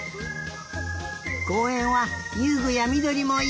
こうえんはゆうぐやみどりもいっぱい。